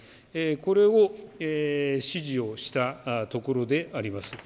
これを指示をしたところであります。